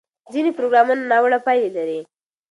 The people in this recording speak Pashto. ځینې پروګرامونه ناوړه پایلې لري.